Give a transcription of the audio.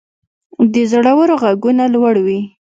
د زړورو ږغونه لوړ وي.